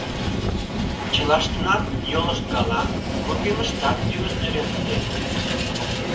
Чылаштынат йолышт гала, вургемыштат тӱвыт нӧрен пытен.